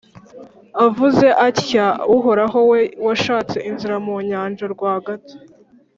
avuze atya uhoraho, we washatse inzira mu nyanja rwagati,